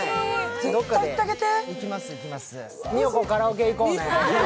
絶対行ったげて。